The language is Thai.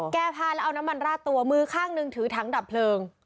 แก้ผ้าแล้วเอาน้ำมันราดตัวมือข้างหนึ่งถือถังดับเพลิง